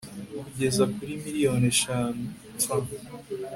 kugeza kuri miliyoni eshanu frw